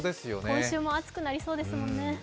今週も暑くなりそうですもんね。